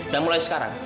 dan mulai sekarang